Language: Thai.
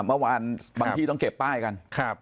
ผมถามว่าบางทีบางวันต้องเก็บป้ายกัน